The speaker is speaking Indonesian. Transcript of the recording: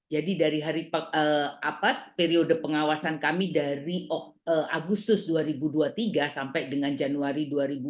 jadi dari hari periode pengawasan kami dari agustus dua ribu dua puluh tiga sampai dengan januari dua ribu dua puluh empat